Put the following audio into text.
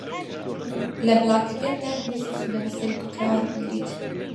لە بڵاگەکەتدا پێویستە سوود لە بەستەری کۆکراوە وەربگریت